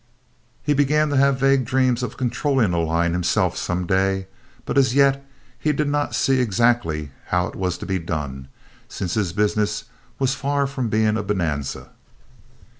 He began to have vague dreams of controlling a line himself some day, but as yet he did not see exactly how it was to be done, since his business was far from being a bonanza.